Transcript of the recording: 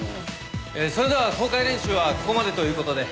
それでは公開練習はここまでという事で。